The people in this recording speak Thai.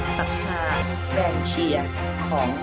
ซักท้ายแโบรนด์เชียร์ของ